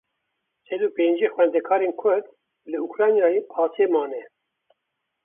Sed û pêncî xwendekarên Kurd li Ukraynayê asê mane.